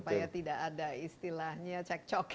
supaya tidak ada istilahnya cek coklat